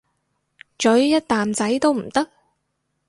咀一啖仔都唔得？